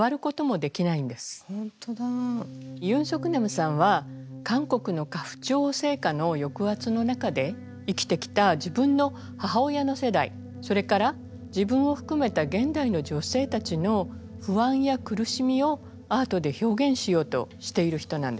ユン・ソクナムさんは韓国の家父長制下の抑圧の中で生きてきた自分の母親の世代それから自分を含めた現代の女性たちの不安や苦しみをアートで表現しようとしている人なんです。